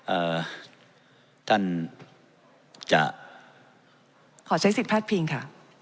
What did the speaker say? เอ่อท่านจะขอใช้สิทธิพลาดพิงค่ะ